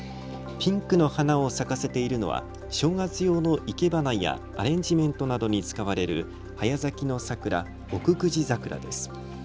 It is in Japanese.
ピンクの花を咲かせているのは、正月用の生け花やアレンジメントなどに使われる早咲きの桜、奥久慈桜です。